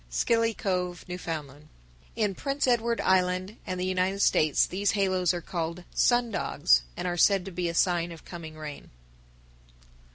Scilly Cove, N.F. In Prince Edward Island and the United States these halos are called "sun dogs," and are said to be a sign of coming rain.